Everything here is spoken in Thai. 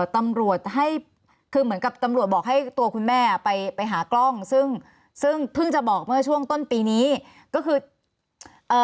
ตำรวจให้คือเหมือนกับตำรวจบอกให้ตัวคุณแม่ไปไปหากล้องซึ่งซึ่งเพิ่งจะบอกเมื่อช่วงต้นปีนี้ก็คือเอ่อ